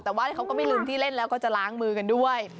แต่ว่าเขาก็ไม่ลืมที่เล่นแล้วก็จะล้างมือกันด้วย